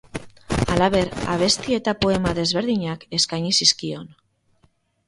Halaber abesti eta poema desberdinak eskaini zizkion.